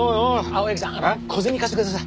青柳さん小銭貸してください。